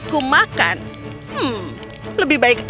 lebih baik yang berkuali yang lebih baik